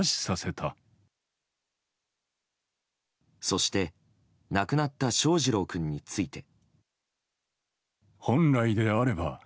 そして亡くなった翔士郎君について。